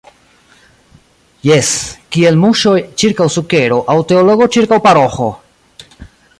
Jes, kiel muŝoj ĉirkaŭ sukero aŭ teologo ĉirkaŭ paroĥo!